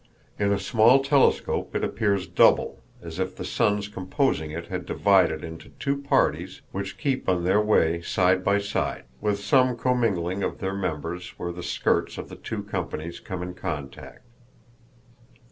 In a small telescope it appears double, as if the suns composing it had divided into two parties which keep on their way side by side, with some commingling of their members where the skirts of the two companies come in contact.